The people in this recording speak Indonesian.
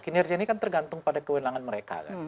kinerjanya kan tergantung pada kewenangan mereka